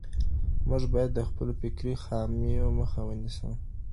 مونږ باید د خپلو فکري خامیو مخه ونیسو.